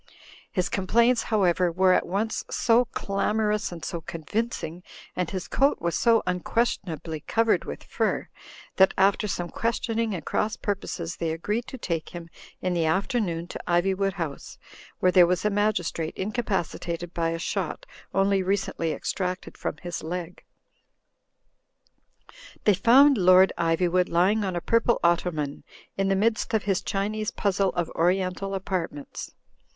His complaints, however, were at once so clamor ous and so convincing, and his coat was so unquestion ably covered with fur, that after some questioning and cross purposes they agreed to take him in the af ternoon to Ivywood House, where there was a magis trate incapacitated by a shot only recently extracted from his leg. They found Lord Ivjrwood lying on a purple otto man, in the midst 'of his Qiinese puzzle of oriental apartments.